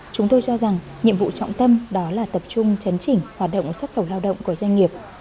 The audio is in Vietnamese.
chúng tôi cho rằng nhiệm vụ trọng tâm đó là tập trung chấn chỉnh hoạt động xuất khẩu lao động của doanh nghiệp